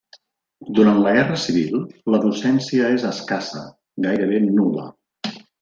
Durant la Guerra Civil, la docència és escassa, gairebé nul·la.